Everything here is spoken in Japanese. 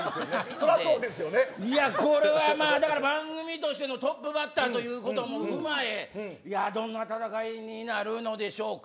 これは番組としてのトップバッターということも踏まえどんな戦いになるのでしょうか。